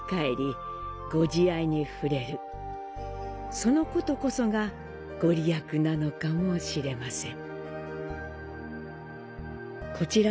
そのことこそが御利益なのかもしれません。